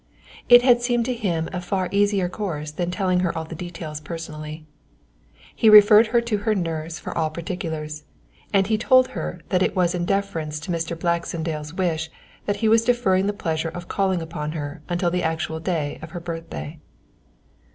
It had seemed to him a far easier course than telling her all the details personally. He referred her to her nurse for all particulars, and he told her that it was in deference to Mr. Baxendale's wish that he was deferring the pleasure of calling upon her until the actual day of her birthday.